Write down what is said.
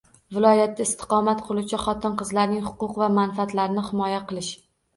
Viloyatda istiqomat qiluvchi xotin-qizlarning huquq va manfaatlarini himoya qilish